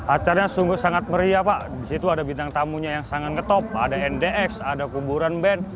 acaranya sungguh sangat meriah pak disitu ada bidang tamunya yang sangat ke top ada ndx ada kuburan band